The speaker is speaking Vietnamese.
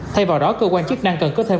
thay vào đó cơ quan chức năng cần có thêm